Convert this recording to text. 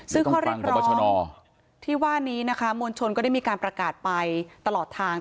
ซึ่งข้อเรียกร้องชนที่ว่านี้นะคะมวลชนก็ได้มีการประกาศไปตลอดทาง